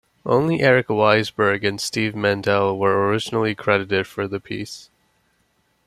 Only Eric Weissberg and Steve Mandel were originally credited for the piece.